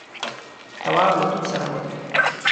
تواب له توت سره ودرېد.